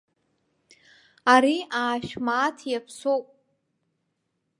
Ари аашә мааҭ иаԥсоуп.